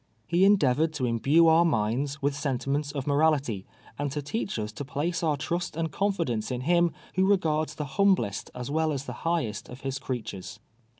lie endeavored to imhue our minds with sentiments of morality, and to teach us to ])lace our trust and confidence in Ilim who regards the humblest as well as the highest of his creatures.